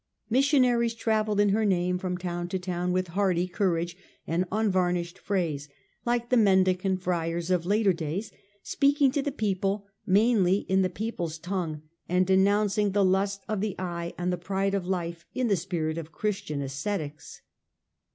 Missionaries travelled in her name from town to town, with hardy courage and unvarnished phrase, like the Mendicant Friars of later days, speaking to the people mainly in the people's tongue, and denouncing the lust of the eye and the pride of life in the spirit of Christian ascetics.